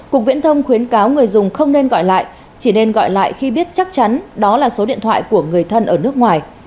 cục viễn thông khuyến cáo người dùng không nên gọi lại chỉ nên gọi lại khi biết chắc chắn đó là số điện thoại của người thân ở nước ngoài